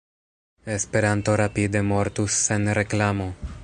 Esperanto rapide mortus sen reklamo!